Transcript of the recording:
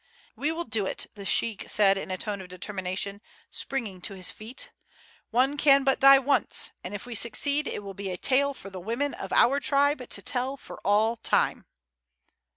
"We will do it!" the sheik said in a tone of determination, springing to his feet. "One can but die once, and if we succeed it will be a tale for the women of our tribe to tell for all time."